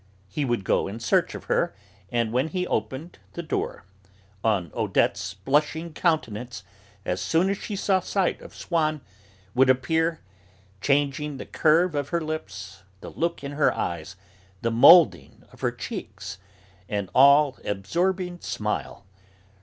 He would go in search of her, and, when he opened the door, on Odette's blushing countenance, as soon as she caught sight of Swann, would appear changing the curve of her lips, the look in her eyes, the moulding of her cheeks an all absorbing smile.